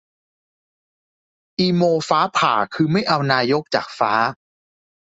อีโม ฟ้าผ่า คือ ไม่เอานายกจากฟ้า